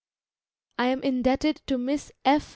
I am indebted to Miss F.